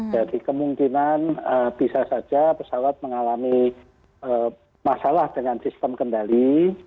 jadi kemungkinan bisa saja pesawat mengalami masalah dengan sistem kendali